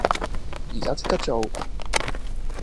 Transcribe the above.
依家即刻做